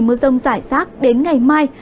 mưa rông giải rác đến ngày mai